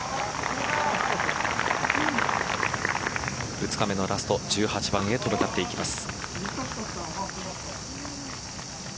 ２日目のラスト１８番へと向かっていきます。